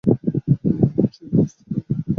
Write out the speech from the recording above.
তবে মনে হচ্ছে বুঝতে পারব।